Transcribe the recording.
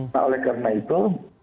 nah oleh karena itu